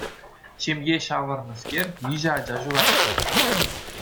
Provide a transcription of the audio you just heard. Ҫемье ҫавӑрнӑскер виҫӗ ача ҫуратнӑ.